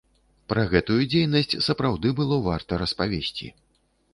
Пра гэтую дзейнасць сапраўды было варта распавесці.